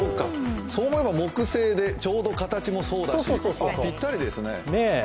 そう思えば木製でちょうど形もそうだしぴったりですね。